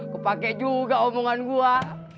kepake juga omongan gua